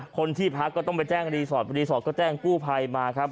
คนที่พักก็ต้องไปแจ้งรีสอร์ทรีสอร์ทก็แจ้งกู้ภัยมาครับ